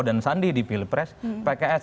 dan sandi di pilpres pks